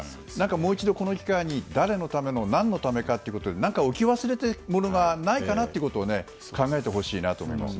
もう一度この機会に誰のための何のためかということで置き忘れてるものがないか考えてほしいなと思いますね。